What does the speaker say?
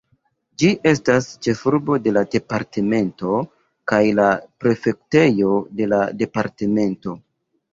Ĝi estas ĉefurbo de departemento kaj la prefektejo de la departemento.